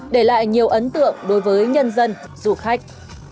để lại nhiều ấn tượng đối với nhân dân du khách